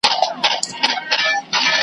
او ښکلا ته دوهمه درجه ارزښت ورکړه سوی دی .